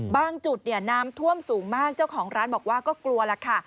จุดเนี่ยน้ำท่วมสูงมากเจ้าของร้านบอกว่าก็กลัวล่ะค่ะ